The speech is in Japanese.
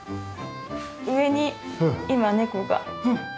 上に今猫が。